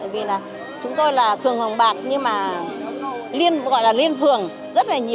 vì chúng tôi là thường hồng bạc nhưng mà liên phường